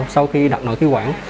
sau khi đặt nội khí quản